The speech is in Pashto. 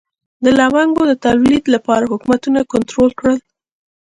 د لونګو د تولید لپاره حکومتونه کنټرول کړل.